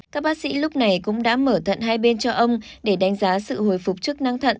các bác sĩ lúc này cũng đã mở thận hai bên cho ông để đánh giá sự hồi phục chức năng thận